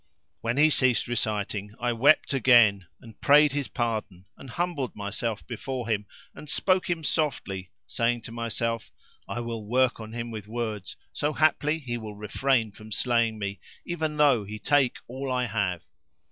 "[FN#348] When he ceased reciting I wept again and prayed his pardon and humbled myself before him and spoke him softly, saying to myself, "I will work on him with words; so haply he will refrain from slaying me, even though he take all I have."